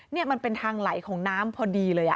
นี่มันเป็นทางไหลของน้ำพอดีเลย